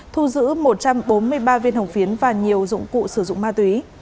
thu giữ một trăm bốn mươi ba viên hồng phiến và nhiều dụng cụ sử dụng ma túy